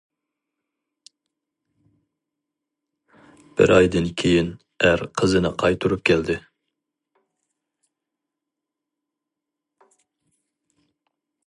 بىر ئايدىن كېيىن ئەر قىزىنى قايتۇرۇپ كەلدى.